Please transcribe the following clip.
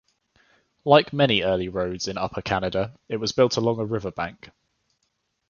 Like many early roads in Upper Canada, it was built along a river bank.